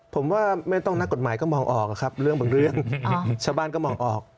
ผมว่าไม่ต้องนักกฎหมายก็มองออกครับเรื่องบางเรื่องชาวบ้านก็มองออก